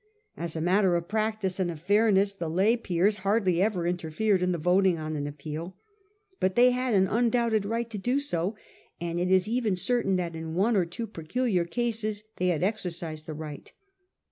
As a matter of practice and of fairness the lay peers hardly ever interfered in the voting on an appeal. But they had an undoubted right to do so ; and it is even certain that in one or two peculiar cases they had exercised the right.